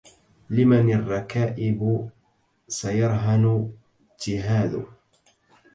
لمن الركائب سيرهن تهاد